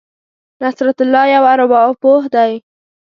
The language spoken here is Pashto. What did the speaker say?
نصرت الله یو ارواپوه دی.